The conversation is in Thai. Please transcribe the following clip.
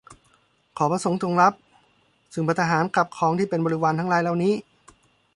ขอพระสงฆ์จงรับ ซึ่งภัตตาหารกับของที่เป็นบริวารทั้งหลายเหล่านี้